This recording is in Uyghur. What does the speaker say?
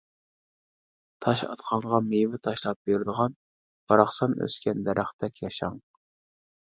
تاش ئاتقانغا مېۋە تاشلاپ بېرىدىغان، باراقسان ئۆسكەن دەرەختەك ياشاڭ.